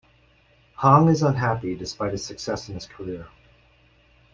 Hong is unhappy despite his success in his career.